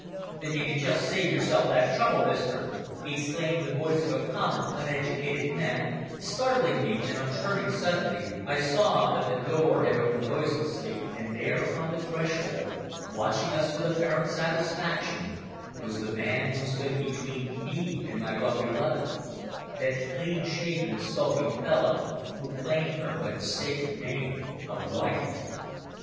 "Then you can just save yourself that trouble, mister," exclaimed the voice of a common, uneducated man, startling me, and on turning suddenly, I saw that the door had opened noiselessly, and there upon the threshold, watching us with apparent satisfaction, was the man who stood between me and my well beloved that clean shaven, skulking fellow who claimed her by the sacred name of wife!